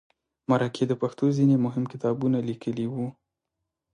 مرکې د پښتو ځینې مهم کتابونه لیکلي وو.